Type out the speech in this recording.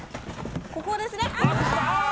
ここですねあぁ。